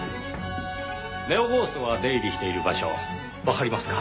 ネオゴーストが出入りしている場所わかりますか？